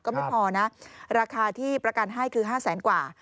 ก็ไม่พอนะราคาที่ประกันให้คือ๕แสนกว่า